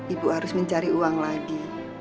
ibu harus mencari uang lagi